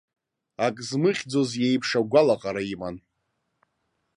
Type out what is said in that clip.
Ак змыхьӡоз иеиԥш агәалаҟара иман.